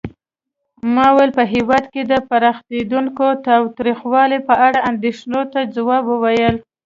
ماوو په هېواد کې د پراخېدونکي تاوتریخوالي په اړه اندېښنو ته ځواب وویل.